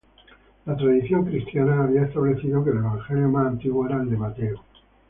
La tradición cristiana había establecido que el evangelio más antiguo era el de Mateo.